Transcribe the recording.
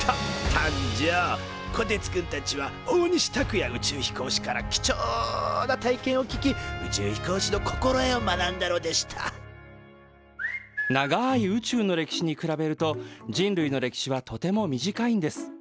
こてつくんたちは大西卓哉宇宙飛行士から貴重な体験を聞き宇宙飛行士の心得を学んだのでした長い宇宙の歴史に比べると人類の歴史はとても短いんです。